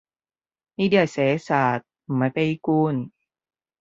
呢啲係寫實，唔係悲觀